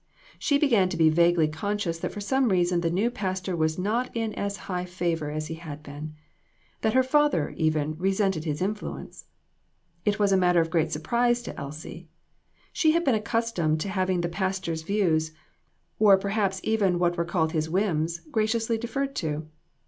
She began to be vaguely conscious that for some reason the new pastor was not in as high favor as he had been ; that her father, even, resented his influence. It was a matter of great surprise to Elsie. She had been accustomed to having the pastor's views, or perhaps even what were called his whims, graciously deferred to.